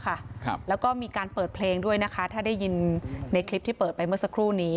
ครับแล้วก็มีการเปิดเพลงด้วยนะคะถ้าได้ยินในคลิปที่เปิดไปเมื่อสักครู่นี้